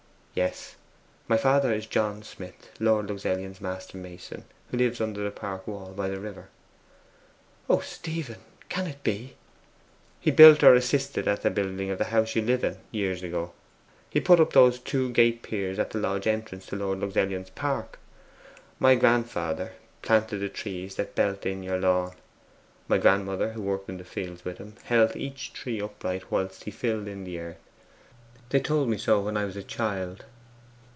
'Yes. My father is John Smith, Lord Luxellian's master mason, who lives under the park wall by the river.' 'O Stephen! can it be?' 'He built or assisted at the building of the house you live in, years ago. He put up those stone gate piers at the lodge entrance to Lord Luxellian's park. My grandfather planted the trees that belt in your lawn; my grandmother who worked in the fields with him held each tree upright whilst he filled in the earth: they told me so when I was a child.